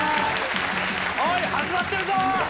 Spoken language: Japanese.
おーい始まってるぞ！